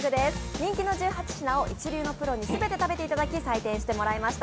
人気の１８品を一流のプロに全て食べていただき、採点していただきました。